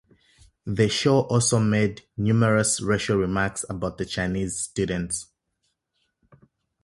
The show also made numerous racial remarks about the Chinese students.